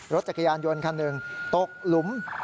รถจักรยานยนต์คันหนึ่งตกหลุม